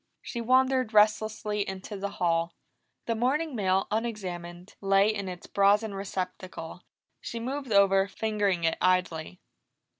She wandered restlessly into the hall. The morning mail, unexamined, lay in its brazen receptacle, she moved over, fingering it idly.